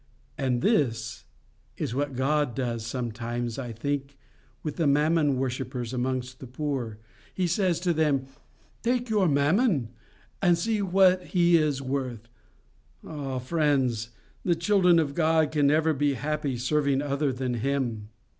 —And this is what God does sometimes, I think, with the Mammon worshippers amongst the poor. He says to them, Take your Mammon, and see what he is worth. Ah, friends, the children of God can never be happy serving other than Him.